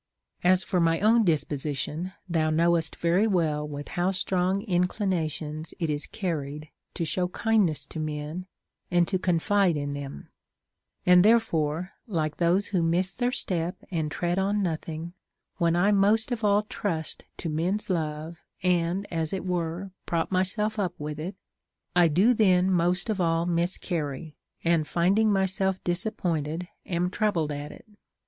As for my own disposition, thou knowest very well with how strong inclinations it is carried to show kindness to men and to confide in them ; and therefore, like those who miss their step and tread on nothing, when I most of all trust to men's love and, as it were, prop myself up with it, I do then most of all miscarry, and, finding myself disap pointed, am troubled at it.